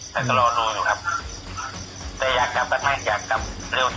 แต่ก็รอดูอยู่ครับแต่อยากกลับกันไหมอยากกลับเร็ว